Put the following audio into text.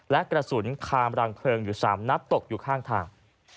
และกระสุนคามรังเพลิงอยู่๓นัดตกอยู่ข้างทาง